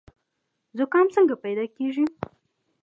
زکام څنګه پیدا کیږي؟